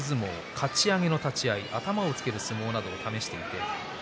かち上げの立ち合い、頭をつける相撲などを試しています。